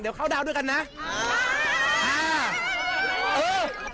เดี๋ยวเขาด้าวด้วยกันนะตอนนี้ใช่